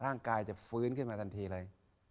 ร่างกายจะฟื้นขึ้นมาทันทีเลย